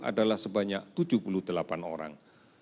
adalah sebanyak tujuh puluh delapan orang